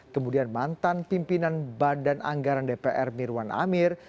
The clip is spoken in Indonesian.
kemudian mantan pimpinan badan anggaran dpr mirwan amir